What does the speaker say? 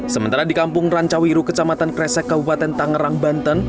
sementara di kampung rancawiru kecamatan kresek kabupaten tangerang banten